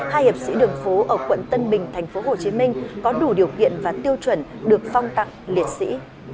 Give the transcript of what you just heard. hai hiệp sĩ đường phố ở quận tân bình tp hcm có đủ điều kiện và tiêu chuẩn được phong tặng liệt sĩ